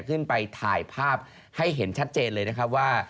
ขึ้นไปถ่ายภาพให้เห็นชัดเจนเลยนะครับว่า